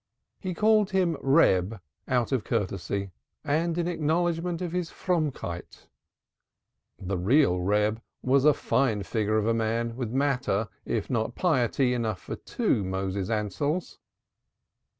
He called him "Reb" out of courtesy and in acknowledgment of his piety. The real "Reb" was a fine figure of a man, with matter, if not piety, enough for two Moses Ansells.